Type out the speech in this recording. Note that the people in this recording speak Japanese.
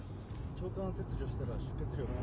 腸管切除したら出血量。